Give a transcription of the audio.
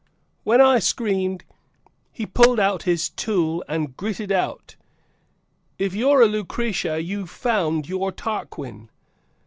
When I screamed, he pulled out his tool and gritted out If you're a Lucretia, you've found your Tarquin!"